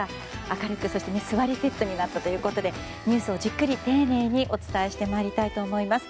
明るく、そして座りセットになったということでニュースをじっくり丁寧にお伝えしてまいりたいと思います。